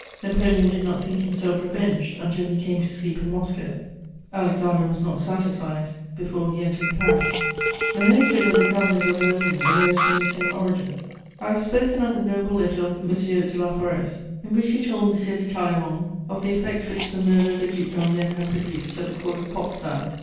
Napoleon did not think himself revenged until he came to sleep in Moscow; Alexander was not satisfied before he entered Paris. [Sidenote: European indignation.] The hatred of the Cabinet of Berlin arose from the same origin: I have spoken of the noble letter of M. de Laforest, in which he told M. de Talleyrand of the effect which the murder of the Duc d'Enghien had produced at the Court of Potsdam.